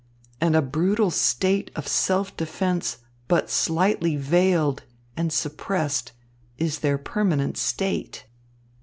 And a brutal state of self defence but slightly veiled and suppressed is their permanent state."